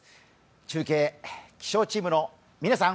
中継、気象チームの嶺さん。